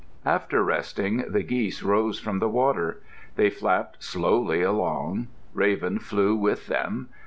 After resting, the geese rose from the water. They flapped slowly along. Raven flew with them.